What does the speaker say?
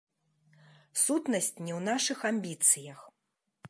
Сутнасць не ў нашых амбіцыях.